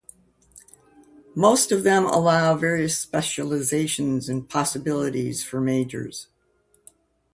Most of them allow various specialisations and possibilities for majors.